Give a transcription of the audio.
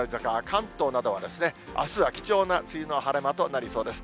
関東などはですね、あすは貴重な梅雨の晴れ間となりそうです。